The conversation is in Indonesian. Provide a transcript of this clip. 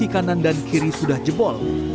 kanan dan kiri sudah jebol